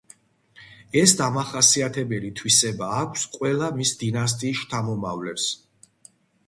ეს დამახასიათებელი თვისება აქვს ყველა მის დინასტიის შთამომავლებს.